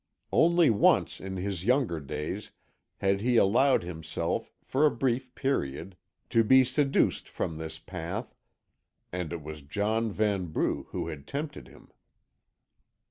Only once in his younger days had he allowed himself, for a brief period, to be seduced from this path, and it was John Vanbrugh who had tempted him.